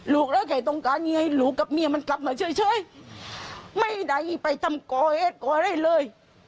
ลูกเราแข่งต้องการยิงไงลูกกับเมียมันกลับมาเชื่อไม่ได้ไปทำก่อเอดก่อได้เลย